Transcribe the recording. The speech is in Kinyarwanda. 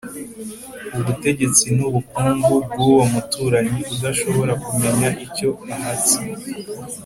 ubutegetsi n'ubukungu bw'uwo muturanyi udashobora kumenya icyo ahatse?